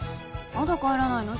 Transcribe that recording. まだ帰らないの？